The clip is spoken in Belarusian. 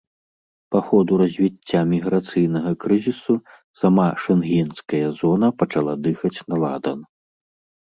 Па ходу развіцця міграцыйнага крызісу сама шэнгенская зона пачала дыхаць на ладан.